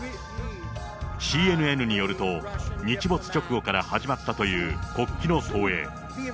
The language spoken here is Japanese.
ＣＮＮによると、日没直後から始まったという国旗の投影。